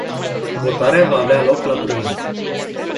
Votarea va avea loc la prânz.